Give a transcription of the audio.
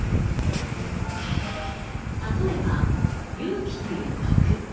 例えば「勇気」という徳。